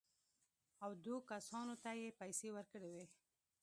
او دوو کسانو ته یې پېسې ورکړې وې.